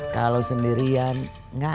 kalau sendirian gak enak